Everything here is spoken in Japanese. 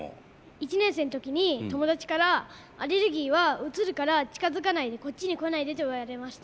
「１年生のときに友達からアレルギーはうつるから近づかないでこっちに来ないでと言われました」。